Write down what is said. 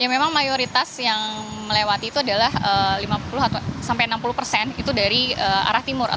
ya memang mayoritas yang melewati itu adalah lima puluh sampai enam puluh persen itu dari arah timur